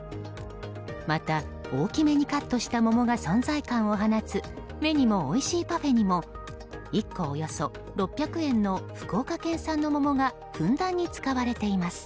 また、大きめにカットした桃が存在感を放つ目にもおいしいパフェにも１個およそ６００円の福岡県産の桃がふんだんに使われています。